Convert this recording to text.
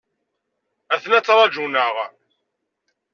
Aten-a ttrajun-aɣ.